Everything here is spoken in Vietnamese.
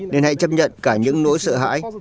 nên hãy chấp nhận cả những nỗi sợ hãi